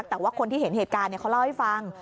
แต่คนที่เห็นเหตุการณ์เล่าด้วยฟัง